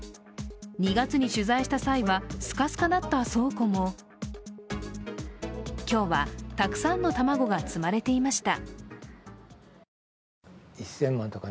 ２月に取材した際はスカスカだった倉庫も今日は、たくさんの卵が積まれていました。